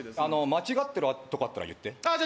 間違ってるとこあったら言ってああー